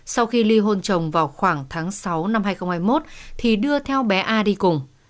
sau khi ly hôn trồng vào khoảng tháng sáu năm hai nghìn hai mươi một thì đưa theo bé a đi cùng